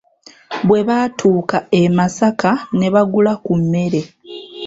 Bwe baatuuka e Masaka ne bagula ku mmere